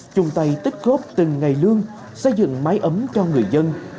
chung tay tích khốp từng ngày lương xây dựng máy ấm cho người dân